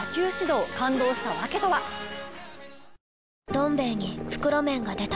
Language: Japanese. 「どん兵衛」に袋麺が出た